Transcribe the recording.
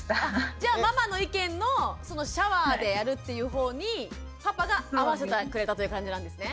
じゃあママの意見のシャワーでやるっていうほうにパパが合わせてくれたという感じなんですね？